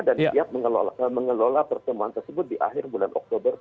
dan siap mengelola pertemuan tersebut di akhir bulan oktober